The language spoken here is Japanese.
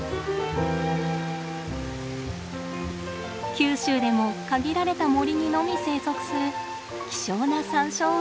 九州でも限られた森にのみ生息する希少なサンショウウオです。